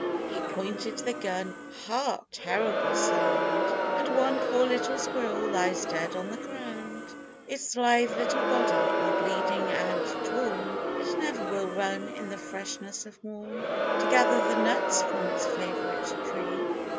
He pointed the gun. Hark ! a terrible sound, And one poor little squirrel lies dead on the ground. Its lithe little body all bleeding and torn, It never will run in the freshness of morn, To gather the nuts from its favorite tree.